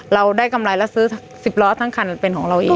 เราได้กำไรแล้วซื้อ๑๐ล้อทั้งคันเป็นของเราเอง